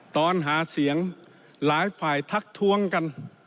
ตอนหาเสียงหลายฝ่ายทักทวงกัน